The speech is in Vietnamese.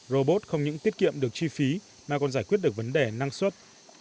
robot không những tiết kiệm được chi phí mà còn giải quyết được vấn đề năng suất